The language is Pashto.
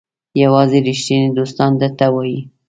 یوازې ریښتیني دوستان درته وایي.